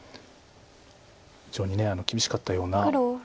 非常に厳しかったような今印象です。